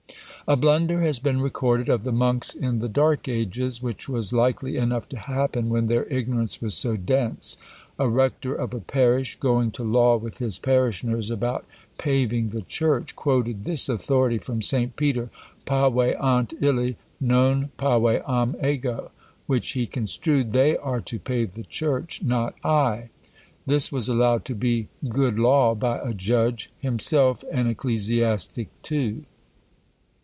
A blunder has been recorded of the monks in the dark ages, which was likely enough to happen when their ignorance was so dense. A rector of a parish going to law with his parishioners about paving the church, quoted this authority from St. Peter Paveant illi, non paveam ego; which he construed, They are to pave the church, not I. This was allowed to be good law by a judge, himself an ecclesiastic too.